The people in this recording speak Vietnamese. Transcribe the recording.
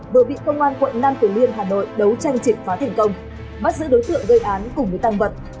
vừa bị công an quận nam từ liêm hà nội đấu tranh triệt phá thành công bắt giữ đối tượng gây án cùng với tăng vật